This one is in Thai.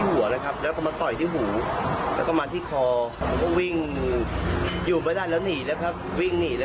แกคงจะบอกว่ามันต่อยซ้ายทีขวาทีแหละ